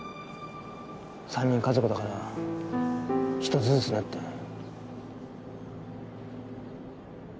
３人家族だから１つずつねって。